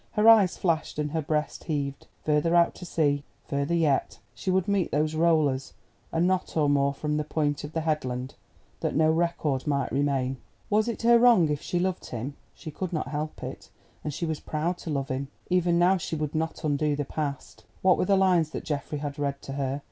Her eyes flashed and her breast heaved: further out to sea, further yet—she would meet those rollers a knot or more from the point of the headland, that no record might remain. Was it her wrong if she loved him? She could not help it, and she was proud to love him. Even now, she would not undo the past. What were the lines that Geoffrey had read to her.